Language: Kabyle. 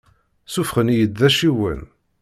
Ssuffɣen-iyi-d acciwen.